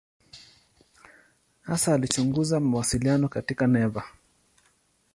Hasa alichunguza mawasiliano katika neva.